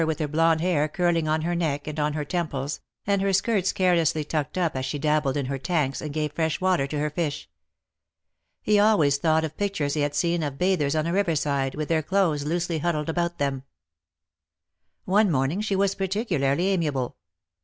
with her blonde hair curling on her neck and on her temples, and her skirts carelessly tucked up as she dabbled in her tanks, and gave fresh water to her fish. He always thought of pictures he had seen of bathers on a river side, with their clothes loosely huddled about them. One morning she was particularly amiable.